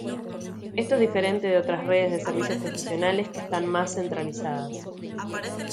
Esto es diferente de otras redes de servicios profesionales que están más centralizadas.